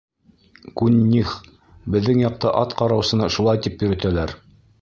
— Кун-них, беҙҙең яҡта ат ҡараусыны шулай тип йөрөтәләр.